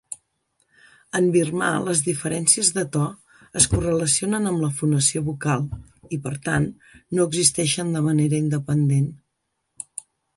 En birmà, les diferències de to es correlacionen amb la fonació vocal i, per tant, no existeixen de manera independent.